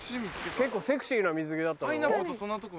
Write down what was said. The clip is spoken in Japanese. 結構セクシーな水着だったろ？